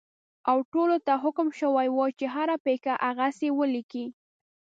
او ټولو ته حکم شوی وو چې هره پېښه هغسې ولیکي.